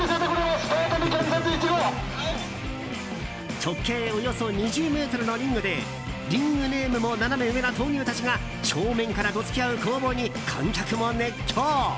直径およそ２０ｍのリングでリングネームもナナメ上な闘牛たちが正面からど突き合う攻防に観客も熱狂。